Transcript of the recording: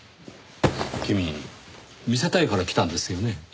君見せたいから来たんですよね？